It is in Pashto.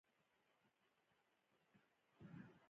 دا د اوبو کانال هم د غره په لمنه کې جوړ شوی و.